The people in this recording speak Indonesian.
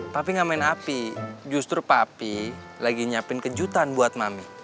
papi gak main api justru papi lagi nyiapin kejutan buat mami